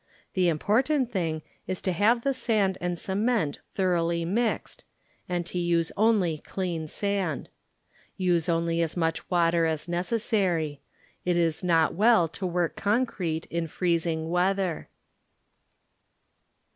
The important thing is to have the sand and cement thoroughly mixed, and to use only clean sand. Use only as much water as necessary. It is not well to work con crete in freezing weather.